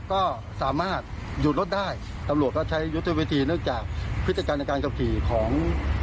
ก็สามารถหยุดรถได้ตำรวจก็ใช้ยุทธวิธีเนื่องจากพฤติการในการขับขี่ของ